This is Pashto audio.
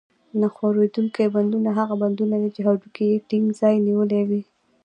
نه ښورېدونکي بندونه هغه بندونه دي چې هډوکي یې ټینګ ځای نیولی وي.